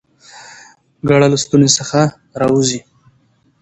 ګړه له ستوني څخه راوزي؟